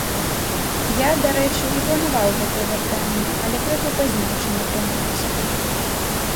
Я, дарэчы, і планаваў гэта вяртанне, але крыху пазней, чым атрымалася.